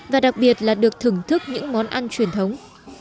và đặc biệt là được thưởng thức những món ăn truyền thống